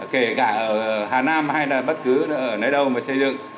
kể cả ở hà nam hay là bất cứ nơi đâu mà xây dựng